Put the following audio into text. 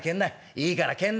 いいから帰んな。